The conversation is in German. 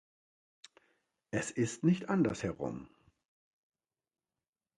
Es ist nicht andersherum.